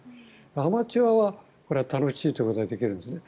アマチュアはこれは楽しいということができるんですね。